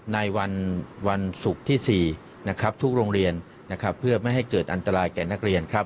ในวันศุกร์ที่๔นะครับทุกโรงเรียนนะครับเพื่อไม่ให้เกิดอันตรายแก่นักเรียนครับ